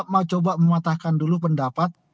mau coba mematahkan dulu pendapat